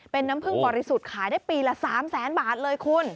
เป็นน้ำพึ่งบริสุทธิ์ขายได้ปีละ๓แสนบาทเลยคุณ